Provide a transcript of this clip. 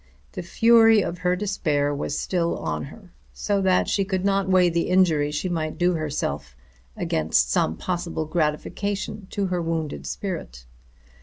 The fury of her despair was still on her, so that she could not weigh the injury she might do herself against some possible gratification to her wounded spirit.